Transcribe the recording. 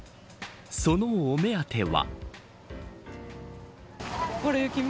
そのお目当ては。